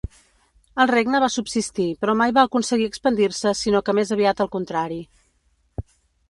El regne va subsistir però mai va aconseguir expandir-se sinó que més aviat al contrari.